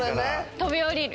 飛び降りる！